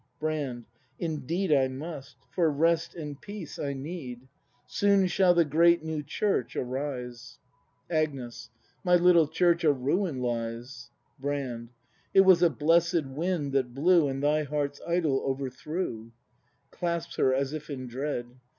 Brand. Indeed I must; for rest and peace I need. Soon shall the great new Church arise! 196 BRAND [act iv Agnes. My little Church a ruin lies. Brand. It was a blessed wind that blew And thy heart's idol overthrew! [Clasps her as if in dread.